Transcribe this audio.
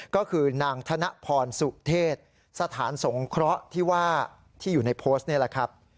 ก็คือนางธนพรสุเทศสถานสงเคราะห์ที่ว่าที่อยู่ในโพสต์นี่แหละครับ